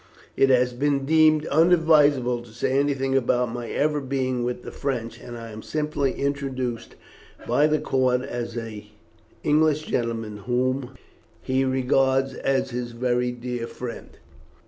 It has been deemed unadvisable to say anything about my ever being with the French, and I am simply introduced by the count as an English gentleman whom he regards as his very dear friend.